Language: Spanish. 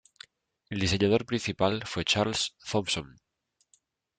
El diseñador principal fue Charles Thompson.